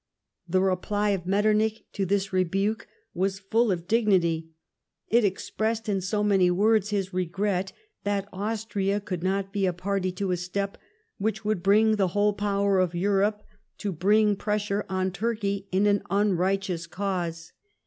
The reply of Metternich to this rebuke was full of dignity. It expressed in so many words, his regret that Austria could not be a party to a step which would bring the whole power of Europe to bring pressure on Turkey in an unrighteous cause.